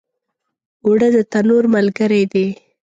اوړه د تنور ملګری دي